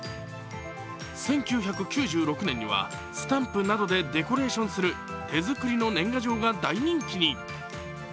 １９９６年には、スタンプなどでデコレーションする手作りの年賀状が大人気に。